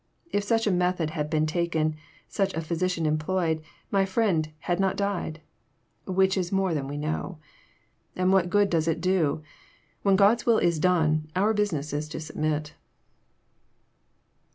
If such a method had been taken, such a physician employed, my friend had not died I which is more than we know. And what good does it do ? When God's will is done, our business is to submit."